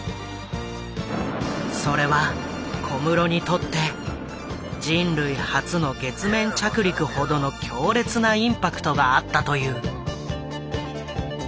それは小室にとって人類初の月面着陸ほどの強烈なインパクトがあったという。